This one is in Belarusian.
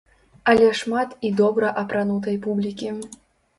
Але шмат і добра апранутай публікі.